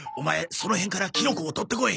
その辺からキノコをとってこい。